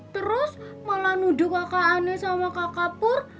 terus malah nuduh kakak ani sama kakak pur